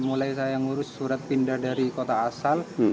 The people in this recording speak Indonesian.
mulai saya ngurus surat pindah dari kota asal